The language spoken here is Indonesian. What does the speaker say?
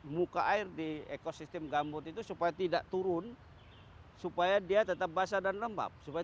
muka air di ekosistem gambut itu supaya tidak turun supaya dia tetap basah dan lembab supaya